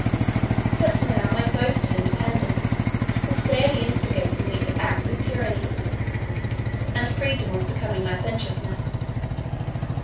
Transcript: But now my boasted independence was daily instigating me to acts of tyranny, and freedom was becoming licentiousness.